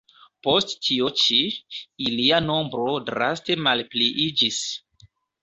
Post tio ĉi, ilia nombro draste malpliiĝis.